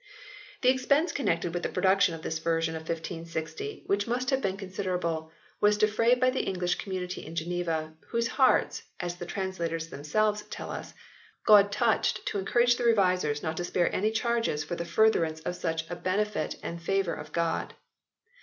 The expense connected with the production of this version of 1560, which must have been con siderable, was defrayed by the English community in Geneva, " whose hearts," as the translators themselves tell us, "God touched to encourage the revisers not to spare any charges for the furtherance of such a benefit and favour of God."